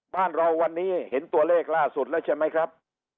บ้านเราวันนี้เห็นตัวเลขล่าสุดแล้วใช่ไหมครับ